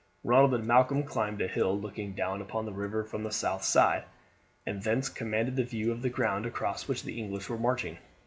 Ronald and Malcolm climbed a hill looking down upon the river from the south side, and thence commanded the view of the ground across which the English were marching.